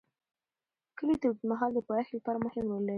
کلي د اوږدمهاله پایښت لپاره مهم رول لري.